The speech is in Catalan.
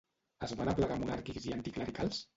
Es van aplegar monàrquics i anticlericals?